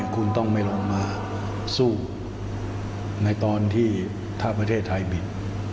คุณต้องไม่ลงมาสู้ในตอนที่ถ้าประเทศไทยบิด